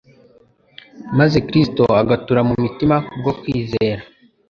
maze Kristo agatura mu mitima kubwo kwizera,